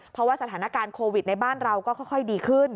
เพราะว่าสถานการณ์โควิดในบ้านเราก็ค่อยดีขึ้น